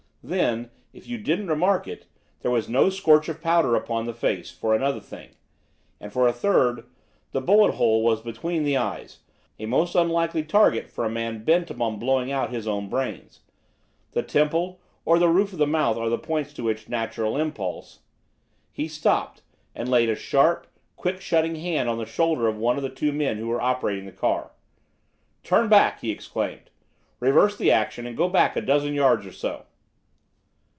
Then, if you didn't remark it, there was no scorch of powder upon the face, for another thing; and, for a third, the bullet hole was between the eyes, a most unlikely target for a man bent upon blowing out his own brains; the temple or the roof of the mouth are the points to which natural impulse " He stopped and laid a sharp, quick shutting hand on the shoulder of one of the two men who were operating the car. "Turn back!" he exclaimed. "Reverse the action, and go back a dozen yards or so."